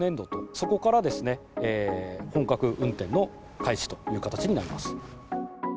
そこから本格運転の開始という形になります。